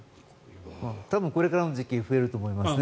多分、これからの時期増えると思いますね。